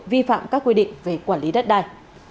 vi phạm các quy định về quản lý đất đai